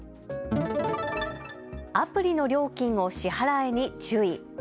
アプリの料金を支払えに注意。